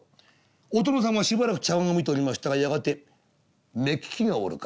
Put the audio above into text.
お殿様しばらく茶碗を見ておりましたがやがて「目利きがおるか？」。